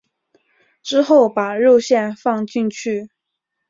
之后把肉馅放进去。